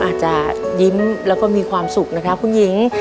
อาจจะยิ้มแล้วก็มีความสุขนะครับคุณหญิง